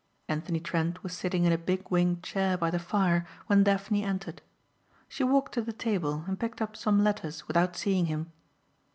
Anthony Trent was sitting in a big winged chair by the fire when Daphne entered. She walked to the table and picked up some letters without seeing him.